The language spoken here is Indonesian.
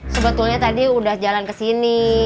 sebetulnya tadi udah jalan kesini